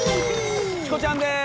チコちゃんです。